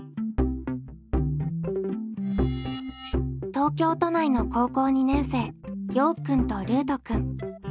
東京都内の高校２年生ようくんとルートくん。